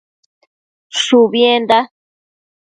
Shubienda